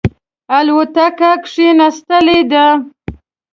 الوتکه کښېنستلې ده.